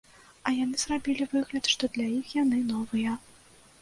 А яны зрабілі выгляд, што для іх яны новыя.